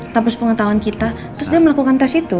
tapis pengetahuan kita terus dia melakukan tes itu